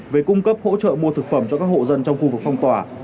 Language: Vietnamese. về cung cấp hỗ trợ mua thực phẩm cho các hộ dân trong khu vực phong tỏa